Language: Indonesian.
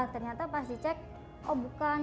ternyata pas dicek oh bukan